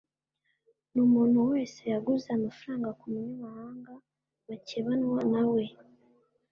n umuntu wese yaguze amafaranga ku munyamahanga bakebanwa na we